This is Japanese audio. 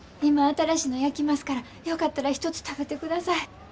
今新しいの焼きますからよかったら一つ食べてください。